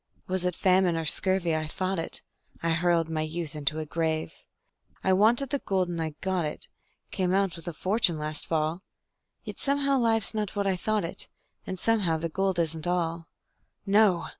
Was it famine or scurvy I fought it; I hurled my youth into a grave. I wanted the gold, and I got it Came out with a fortune last fall, Yet somehow life's not what I thought it, And somehow the gold isn't all. No!